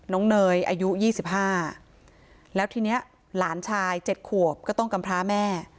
น้องเนยอายุยี่สิบห้าแล้วทีเนี้ยหลานชายเจ็ดขวบก็ต้องกำพร้าแม่